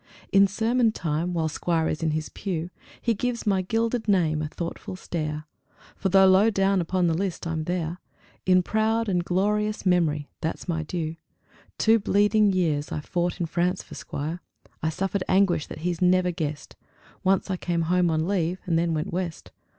In sermon time, while Squire is in his pew, He gives my gilded name a thoughtful stare; For though low down upon the list, I'm there: "In proud and glorious memory" that's my due. Two bleeding years I fought in France for Squire; I suffered anguish that he's never guessed; Once I came home on leave; and then went west.